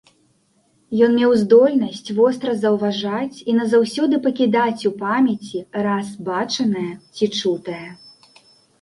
Ён меў здольнасць востра заўважаць і назаўсёды пакідаць у памяці раз бачанае ці чутае.